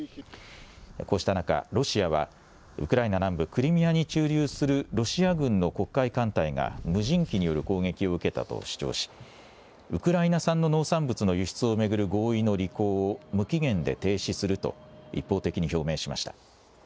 こうした中、ロシアはウクライナ南部クリミアに駐留するロシア軍の黒海艦隊が無人機による攻撃を受けたと主張し、ウクライナ産の農産物の輸出を巡る合意の履行を無期限で停止すると、一方的に表明しました。